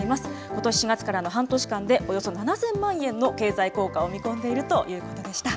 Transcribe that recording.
ことし４月からの半年間で、およそ７０００万円の経済効果を見込んでいるということでした。